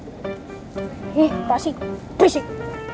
eh pasik pusing